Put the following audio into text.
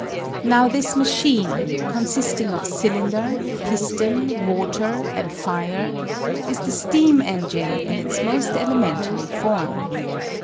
Now this machine, consisting of cylinder, piston, water, and fire, is the steam engine in its most elementary form.